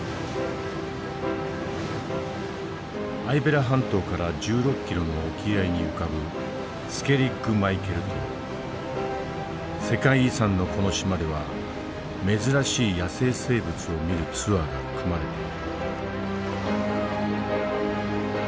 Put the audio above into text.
アイベラ半島から１６キロの沖合に浮かぶ世界遺産のこの島では珍しい野生生物を見るツアーが組まれている。